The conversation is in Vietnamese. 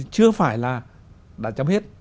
chưa phải là đã chấm hết